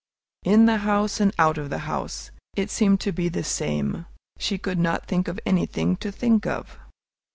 In the house and out of the house, it seemed to be the same, she could not think of anything to think of.